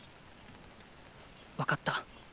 分かった。